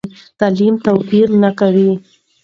تعلیم توپیر نه کوي.